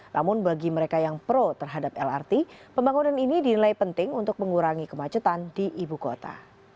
namun bagi mereka yang pro terhadap lrt pembangunan ini dinilai penting untuk mengurangi kemacetan di ibu kota